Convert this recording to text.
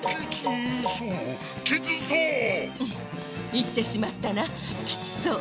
いってしまったな「きつそう」。